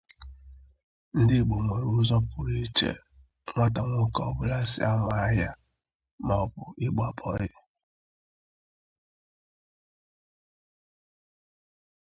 Ndị igbo nwere ụzọ pụrụ iche nwata nwoke ọbụla si amụ ahia maọbụ ịgba bọyị.